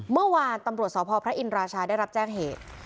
เมื่อวานตำรวจสพพระอินราชาได้รับแจ้งเหตุ